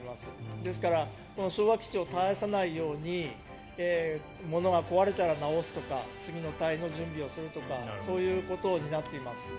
ですから昭和基地を絶やさないように物が壊れたら直すとか次の隊の準備をするとかそういうことを担っています。